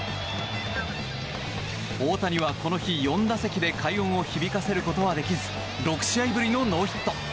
大谷はこの日、４打席で快音を響かせることはできず６試合ぶりのノーヒット。